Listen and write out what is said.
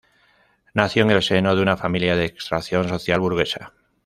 Nació en el seno de una familia de extracción social burguesa.